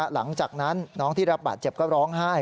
หลังจากนั้นน้องที่รับบาดเจ็บก็ร้องไห้